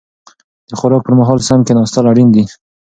د خوراک پر مهال سم کيناستل اړين دي.